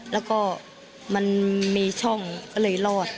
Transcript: แล้วก็มันมีช่องก็เลยรอด